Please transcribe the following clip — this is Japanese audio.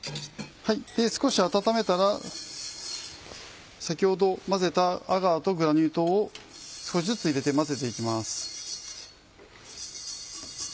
少し温めたら先ほど混ぜたアガーとグラニュー糖を少しずつ入れて混ぜて行きます。